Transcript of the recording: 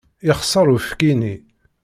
Yexṣer uyefki-nni.